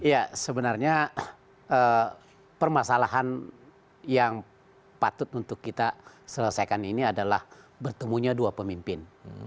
ya sebenarnya permasalahan yang patut untuk kita selesaikan ini adalah bertemunya dua pemimpin